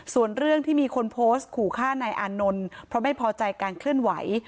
ส่วนเรื่องที่มีคนโพสต์ขู่ฆ่านายอานนท์เพราะไม่พอใจการเคลื่อนไหว